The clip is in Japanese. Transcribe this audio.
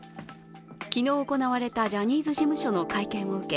昨日行われたジャニーズ事務所の会見を受け